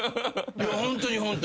ホントにホントに。